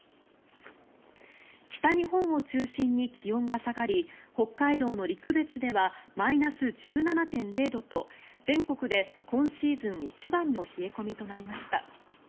北日本を中心に気温が下がり北海道の陸別ではマイナス１７．０度と全国で今シーズン一番の冷え込みとなりました。